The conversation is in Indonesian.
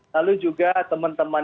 lalu juga teman teman